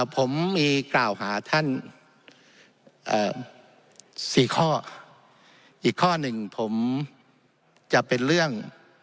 ผมมีกล่าวหาท่าน๔ข้ออีกข้อหนึ่งผมจะเป็นเรื่อง